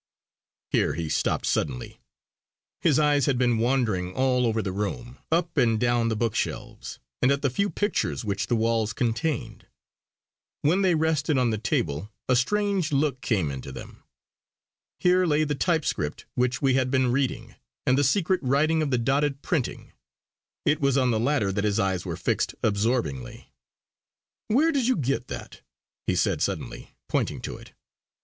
Here he stopped suddenly. His eyes had been wandering all over the room, up and down the bookshelves, and at the few pictures which the walls contained. When they rested on the table, a strange look came into them. Here lay the type script which we had been reading, and the secret writing of the dotted printing. It was on the latter that his eyes were fixed absorbingly. "Where did you get that?" he said suddenly, pointing to it.